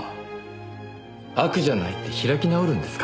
悪じゃないって開き直るんですか？